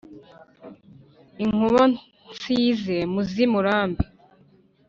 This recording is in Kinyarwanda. inkuba nsize mu z’ i murambi